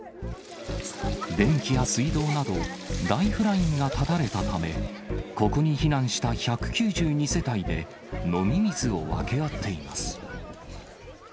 電気や水道など、ライフラインが断たれたため、ここに避難した１９２世帯で飲み水を分け合っています。